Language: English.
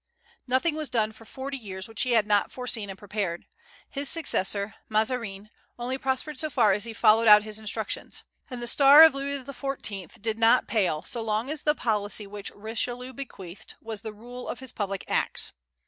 "Nothing was done for forty years which he had not foreseen and prepared. His successor, Mazarin, only prospered so far as he followed out his instructions; and the star of Louis XIV. did not pale so long as the policy which Richelieu bequeathed was the rule of his public acts."